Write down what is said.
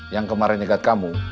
yang kemarin nyegat kamu